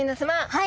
はい。